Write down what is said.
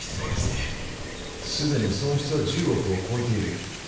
すでに損失は１０億を超えている。